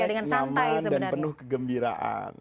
dengan relax nyaman dan penuh kegembiraan